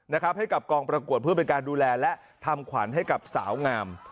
ให้กับกองประกวดเพื่อเป็นการดูแลและทำขวัญให้กับสาวงาม